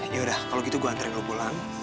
yaudah kalau gitu gue antarin lo pulang